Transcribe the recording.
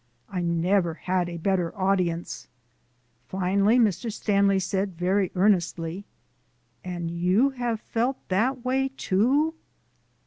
I never had a better audience. Finally, Mr. Stanley said very earnestly: "And you have felt that way, too?"